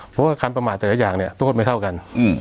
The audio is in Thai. เพราะว่าการประมาทแต่ละอย่างเนี่ยโทษไม่เท่ากัน